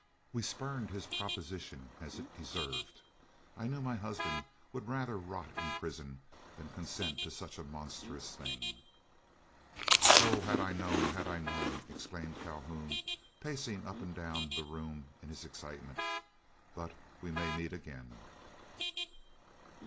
We spurned his proposition as it deserved. I knew my husband would rather rot in prison than consent to such a monstrous thing." "Oh! had I known! had I known!" exclaimed Calhoun, pacing up and down the room in his excitement; "but we may meet again."